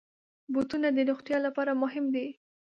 بوټونه د روغتیا لپاره مهم دي.